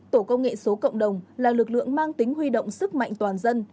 tổ công nghệ số cộng đồng là lực lượng mang tính huy động sức mạnh toàn dân